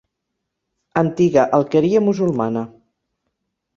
Antiga alqueria musulmana.